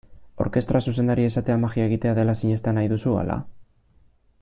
Orkestra zuzendaria izatea magia egitea dela sinestea nahi duzu, ala?